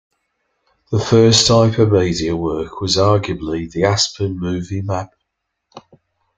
The first hypermedia work was, arguably, the Aspen Movie Map.